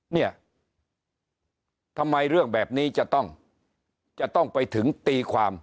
เนี่ยทำไมเรื่องแบบนี้จะต้องจะต้องไปถึงตีความ